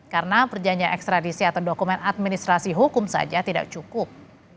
karena perjanjian ekstradisi atau dokumen administrasi hukum saja tidak cukup